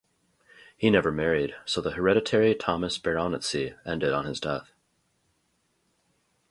He never married, so the hereditary Thomas baronetcy ended on his death.